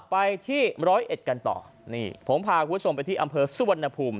ไปที่๑๐๑กันต่อนี่ผมพาก็ส่งไปที่อัมเภอสุวรรณภูมิ